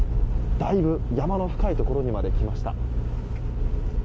だいぶ山の深いところまで来ました。